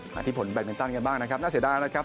ที่ผลแบตมินตันกันบ้างนะครับน่าเสียดายนะครับ